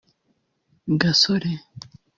Gasore